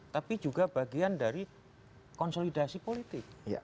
tapi juga bagian dari konsolidasi politik